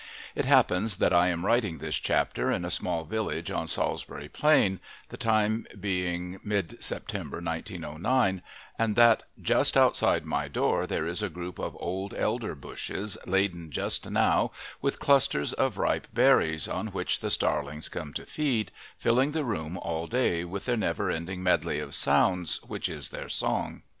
It happens that I am writing this chapter in a small village on Salisbury Plain, the time being mid September 1909, and that just outside my door there is a group of old elder bushes laden just now with clusters of ripe berries on which the starlings come to feed, filling the room all day with that never ending medley of sounds which is their song.